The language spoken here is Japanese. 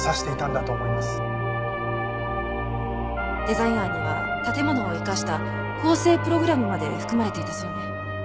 デザイン案には建物を生かした更生プログラムまで含まれていたそうね。